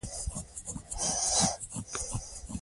رضا پهلوي له هغې راهیسې په امریکا کې ژوند کوي.